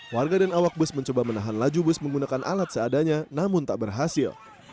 warga dan awak bus mencoba menahan laju bus menggunakan alat seadanya namun tak berhasil